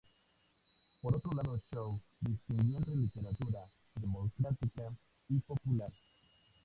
Por otro lado, Zhou distinguió entre literatura "democrática" y "popular".